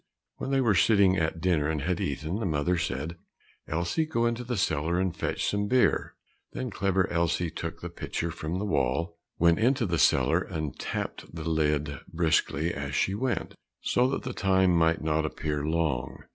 When they were sitting at dinner and had eaten, the mother said, "Elsie, go into the cellar and fetch some beer." Then Clever Elsie took the pitcher from the wall, went into the cellar, and tapped the lid briskly as she went, so that the time might not appear long.